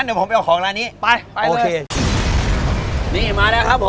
ใช่นะได้ครับ